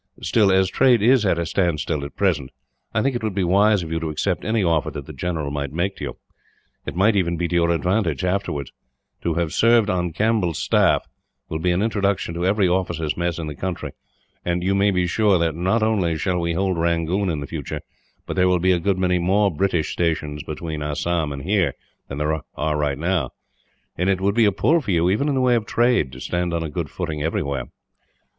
"Still, as trade is at a standstill at present, I think that it would be wise of you to accept any offer that the general might make to you. It might even be to your advantage, afterwards. To have served on Campbell's staff will be an introduction to every officers' mess in the country; and you may be sure that, not only shall we hold Rangoon in future, but there will be a good many more British stations between Assam and here than there now are; and it would be a pull for you, even in the way of trade, to stand on a good footing everywhere."